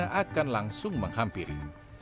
dan akan langsung menghampiri